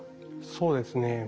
そうですね。